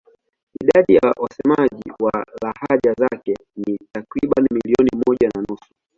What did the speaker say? Idadi ya wasemaji wa lahaja zake ni takriban milioni moja na nusu.